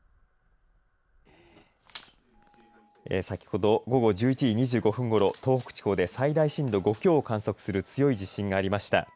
先ほど午後１１時２５分ごろ東北地方で最大震度５強を観測する強い地震がありました。